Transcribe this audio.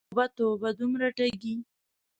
توبه، توبه، دومره ټګې!